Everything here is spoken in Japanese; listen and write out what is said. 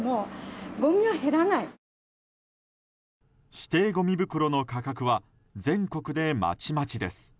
指定ごみ袋の価格は全国でまちまちです。